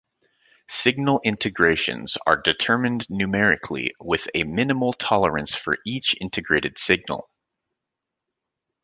Signal integrations are determined numerically with a minimal tolerance for each integrated signal.